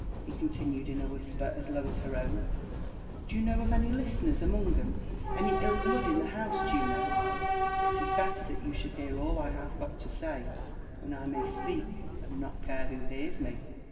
'* he continued in a whisper as low as her own. "D'ye know of any listeners among 'em ?— any ill blood in the house, Juno?" " It is belter that you should hear all I have got to say when I may speak and not care who hears me.